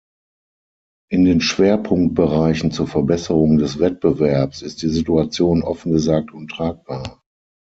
In den Schwerpunktbereichen zur Verbesserung des Wettbewerbs ist die Situation offen gesagt untragbar.